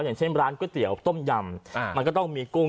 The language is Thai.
อย่างเช่นร้านก๋วยเตี๋ยวต้มยำมันก็ต้องมีกุ้ง